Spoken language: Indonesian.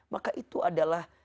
maka itu adalah